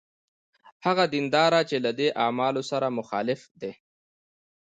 هغه دینداره چې له دې اعمالو سره مخالف دی.